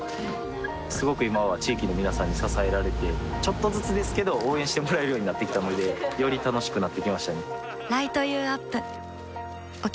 すごく今は地域の皆さんに支えられてちょっとずつですけど応援してもらえるようになってきたのでより楽しくなってきましたね